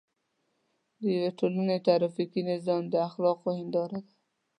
د یوې ټولنې ټرافیکي نظام د اخلاقو هنداره ده.